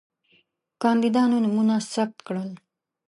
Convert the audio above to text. کاندیدانو نومونه ثبت کړل.